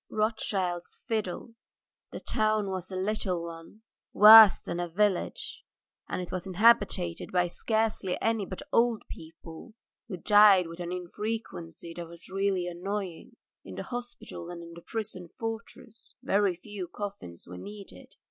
ROTHSCHILD'S FIDDLE THE town was a little one, worse than a village, and it was inhabited by scarcely any but old people who died with an infrequency that was really annoying. In the hospital and in the prison fortress very few coffins were needed.